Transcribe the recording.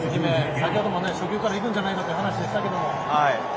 先ほども初球から行くんじゃないかという話をしましたが。